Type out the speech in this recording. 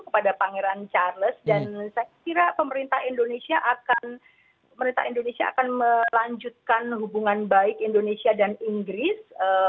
kepada pangeran charles dan saya kira pemerintah indonesia akan pemerintah indonesia akan melanjutkan hubungan baik indonesia dan inggris